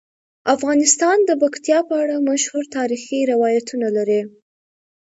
افغانستان د پکتیا په اړه مشهور تاریخی روایتونه لري.